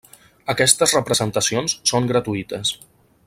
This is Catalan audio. Aquestes representacions són gratuïtes.